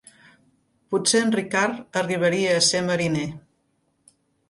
Potser en Ricard arribaria a ser mariner.